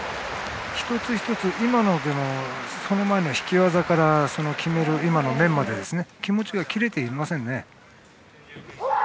一つ一つ、今のでもその前の引き技から決める面まで気持ちが切れていませんね。